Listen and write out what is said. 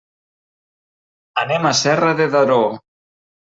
Anem a Serra de Daró.